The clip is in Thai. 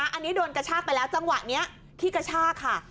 อันนี้โดนกระชากไปแล้วจังหวะนี้ที่กระชากค่ะ